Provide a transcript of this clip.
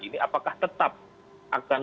ini apakah tetap akan